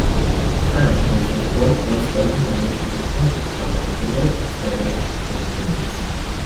French is the fourth most-spoken language in the country, behind English, Spanish, and Chinese.